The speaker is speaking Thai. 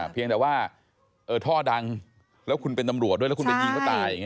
เพียงแต่ว่าท่อดังแล้วคุณเป็นตำรวจด้วยแล้วคุณไปยิงเขาตายอย่างนี้